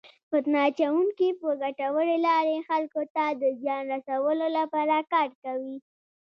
فتنه اچونکي په ګټورې لارې خلکو ته د زیان رسولو لپاره کار کوي.